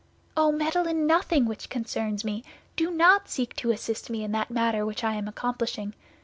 "Oh, meddle in nothing which concerns me. Do not seek to assist me in that which I am accomplishing.